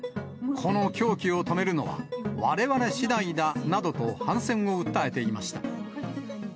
この狂気を止めるのは、われわれしだいだなどと、反戦を訴えていました。